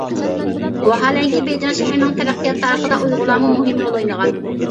ۋاھالەنكى، بېيجىڭ شەھىرىنىڭ تەرەققىيات تارىخىدا ئۇيغۇرلارمۇ مۇھىم رول ئوينىغان.